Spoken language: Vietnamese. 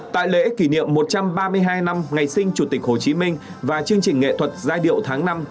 tại lễ kỷ niệm một trăm ba mươi hai năm ngày sinh chủ tịch hồ chí minh và chương trình nghệ thuật giai điệu tháng năm